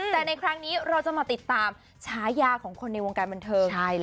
แต่ในครั้งนี้เราจะมาติดตามฉายาของคนในวงการบันเทิง